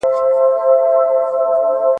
چا یوه او چا بل لوري ته ځغستله ..